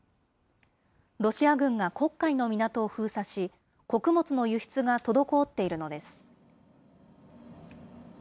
ロシア軍が黒海の港を封鎖し、穀物の輸出が滞っているのです。